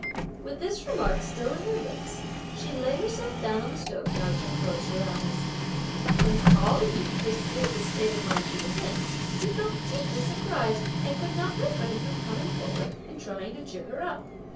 With this remark still on her lips, she lay herself down on the stove couch and closed her eyes. When Pao yü perceived the state of mind she was in, he felt deeply surprised and could not refrain from coming forward and trying to cheer her up.